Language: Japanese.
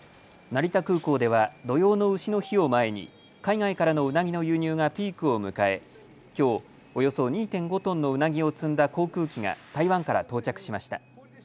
成田空港では土用のうしの日を前に海外からのうなぎの輸入がピークを迎えきょう、およそ２．５トンのうなぎを積んだ航空機が台湾から到着しました。